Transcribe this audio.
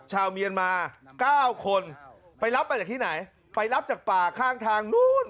ชาวเมียนมา๙คนไปรับมาจากที่ไหนไปรับจากป่าข้างทางนู้น